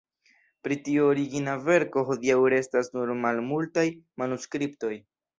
Pri tiu origina verko hodiaŭ restas nur malmultaj manuskriptoj.